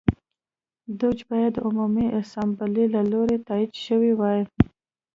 دوج باید د عمومي اسامبلې له لوري تایید شوی وای